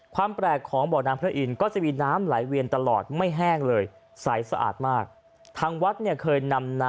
ความแปลกของเบาะน้ำพระอินทร์ก็จะมีน้ำไหลเวียนตลอดไม่แห้งเลย